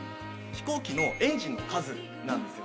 飛行機のエンジンの数なんですよね。